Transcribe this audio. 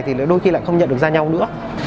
thì đôi khi lại không nhận được ra nhau nữa